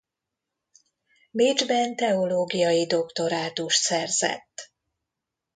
Bécsben teológiai doktorátust szerzett.